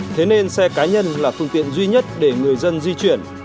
thế nên xe cá nhân là phương tiện duy nhất để người dân di chuyển